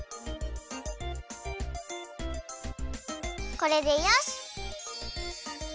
これでよし！